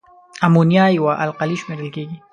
امونیا یوه القلي شمیرل کیږي.